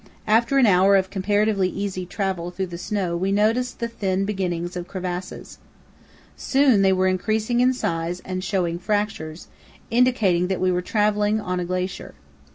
After an hour of comparatively easy travel through the snow we noticed the thin beginnings of crevasses. Soon they were increasing in size and showing fractures, indicating that we were travelling on a glacier.